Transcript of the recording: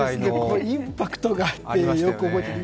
これインパクトがあってよく覚えてる。